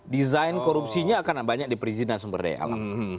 desain korupsinya akan banyak di perizinan sumber daya alam